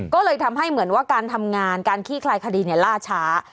ก็เลยทำให้เหมือนว่าการทำงานการขี้คลายคดีล่าช้า